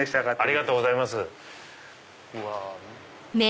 ありがとうございます。